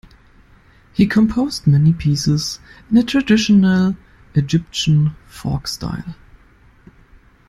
He composed many pieces in a traditional Egyptian folk style.